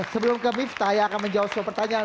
sebelum ke miftah ya akan menjawab soal pertanyaan